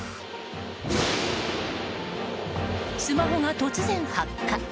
スマホが突然発火。